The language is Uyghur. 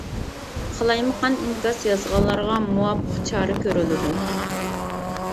قالايمىقان ئىنكاس يازغانلارغا مۇۋاپىق چارە كۆرۈلىدۇ.